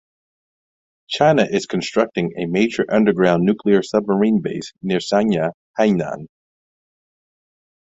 China is constructing a major underground nuclear submarine base near Sanya, Hainan.